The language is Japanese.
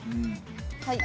はい。